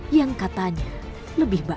yang katanya lebih baik